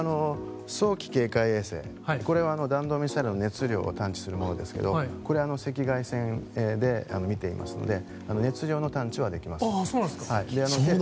早期警戒衛星は弾道ミサイルの熱量を探知するものですがこれは赤外線で見ていますので熱量の探知はできます。